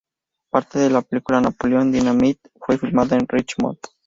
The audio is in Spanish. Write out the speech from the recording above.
Parte de la película Napoleon Dynamite fue filmada en Richmond.